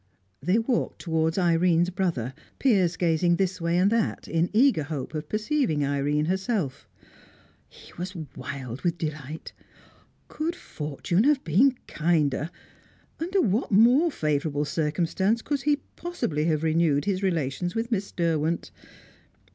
They walked towards Irene's brother, Piers gazing this way and that in eager hope of perceiving Irene herself. He was wild with delight. Could fortune have been kinder? Under what more favourable circumstance could he possibly have renewed his relations with Miss Derwent?